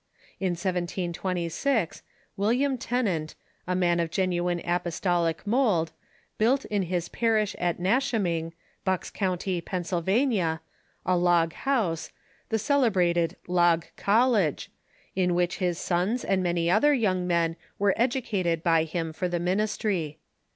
In 1726, William Tennent, a man of genuine apostolic mould, built in his parish at Neshaming, Bucks County, Penn sylvania, a log house, the celebrated " Log College," in which his sons and many other young men w ere educated by him for the ministry.